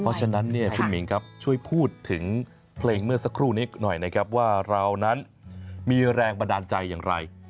เพราะฉะนั้นเนี่ยคุณหมิงครับช่วยพูดถึงเพลงเมื่อสักครู่นี้หน่อยนะครับว่าเรานั้นมีแรงบันดาลใจอย่างไร